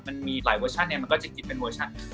มันมีหลายเวอร์ชันเนี่ยมันก็จะคิดเป็นเวอร์ชัน